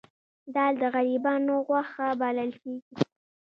دال د غریبانو غوښه بلل کیږي